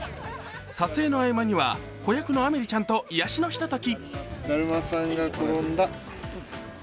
撮影の合間には子役のアメリちゃんと癒やしのひととき。